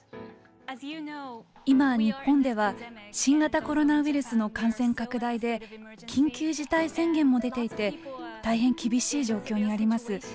今、日本では新型コロナウイルスの感染拡大で緊急事態宣言も出ていて大変厳しい状況にあります。